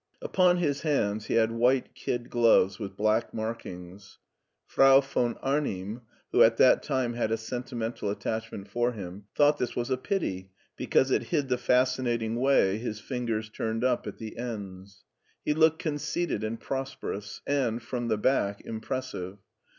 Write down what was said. Upon his hands he had white kid gloves with black markings. Frau, von Amim, who at that time had a sentimental attachment for him, thought this was a pity because it hid the fascinating way his fingers turned up at the ends. He looked conceited and prosperous, and, from the back, impressive.